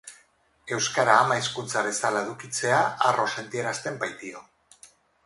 Euskara ama-hizkuntza bezala edukitzea harro sentiarazten baitio.